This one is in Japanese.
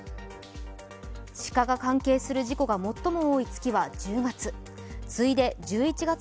鹿が関係する事故が最も多い月は１０月。